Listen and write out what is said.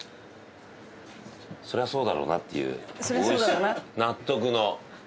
そりゃそうだろうなっていう納得の。